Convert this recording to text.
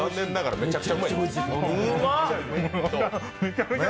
めちゃくちゃうまい。